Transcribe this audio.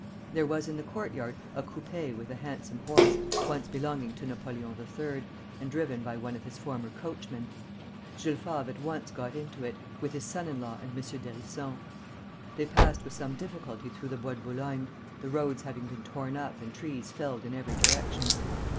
There was in the courtyard a coupé with a handsome horse, once belonging to Napoleon III., and driven by one of his former coachmen. Jules Favre at once got into it, with his son in law and M. d'Hérisson. They passed with some difficulty through the Bois de Boulogne, the roads having been torn up and trees felled in every direction.